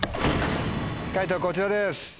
解答こちらです。